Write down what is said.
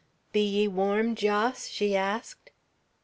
"Be ye warm, Jos?" she asked.